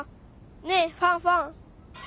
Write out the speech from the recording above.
ねえファンファン。